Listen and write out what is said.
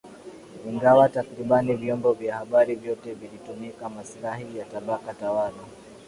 ingawa takribani vyombo vya habari vyote vilitumikia maslahi ya tabaka tawala